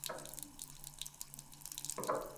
আমাকে দিতে দিন।